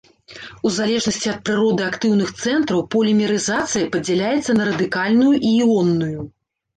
У залежнасці ад прыроды актыўных цэнтраў полімерызацыя падзяляецца на радыкальную і іонную.